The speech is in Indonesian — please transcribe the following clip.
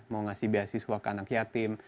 mau ngasih beasiswa ke anak yatim